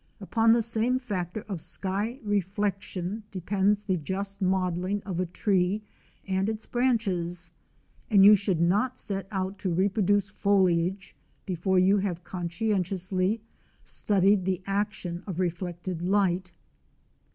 Upon the same factor of sky reflection depends the just modelling of a tree and its branches, and you should not set out to reproduce foliage before you have conscientiously studied the action of reflected light.